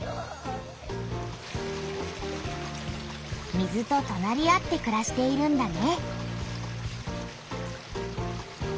水ととなり合ってくらしているんだね。